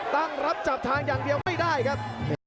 ตั้งรับจับทางอย่างเดียวไม่ได้ครับ